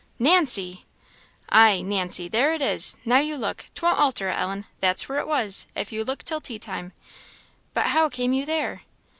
"Nancy!" "Ay, Nancy! there it is. Now you look! 'Twon't alter it, Ellen; that's where it was, if you look till tea time." "But how came you there?"